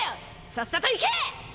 さっさと行け！